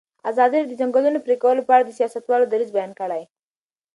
ازادي راډیو د د ځنګلونو پرېکول په اړه د سیاستوالو دریځ بیان کړی.